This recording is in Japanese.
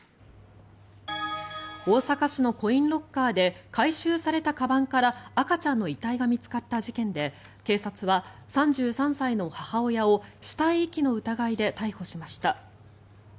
大阪市のコインロッカーで回収されたかばんから赤ちゃんの遺体が見つかった事件で警察は３３歳の母親を死体遺棄の疑いで逮捕しました。